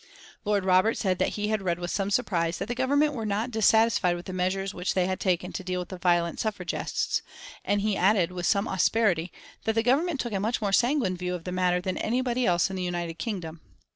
Lord Robert said that he had read with some surprise that the Government were not dissatisfied with the measures which they had taken to deal with the violent suffragists, and he added with some asperity that the Government took a much more sanguine view of the matter than anybody else in the United Kingdom.